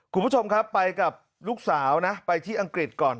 คุณผู้ชมครับไปกับลูกสาวนะไปที่อังกฤษก่อน